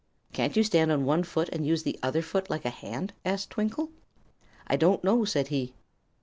"Can't you stand on one foot, and use the other foot like a hand?" asked Twinkle. "I don't know," said he.